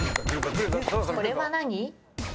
これは何？